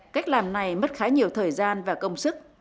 cách làm này mất khá nhiều thời gian và công sức